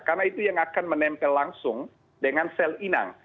karena itu yang akan menempel langsung dengan sel inang